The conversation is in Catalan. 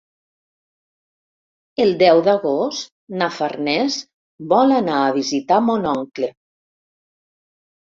El deu d'agost na Farners vol anar a visitar mon oncle.